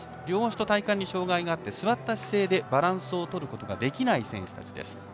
両足と体幹に障がいがあって座った状態でバランスを取ることができない選手たちです。